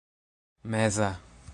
meza